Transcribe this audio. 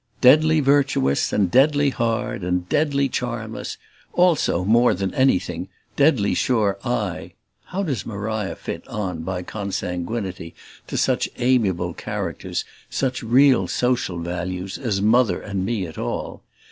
Deadly virtuous and deadly hard and deadly charmless also, more than anything, deadly sure I how does Maria fit on, by consanguinity, to such amiable characters, such REAL social values, as Mother and me at all?